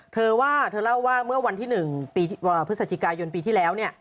เธอว่าเธอเล่าว่าเมื่อวันที่๑พฤศจิกายนปีที่แล้ว